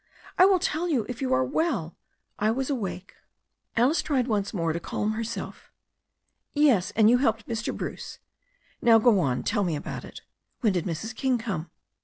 I will tell you if you are well — I was awake." Alice tried once more to calm herself. "Yes, and you helped Mr. Bruce. Now go on, tell me about it. When did Mrs. King come?"